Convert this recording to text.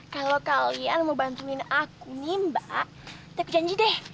kalo kalian mau bantuin aku nimba ntar aku janji deh